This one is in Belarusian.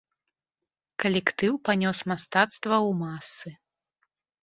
Калектыў панёс мастацтва ў масы.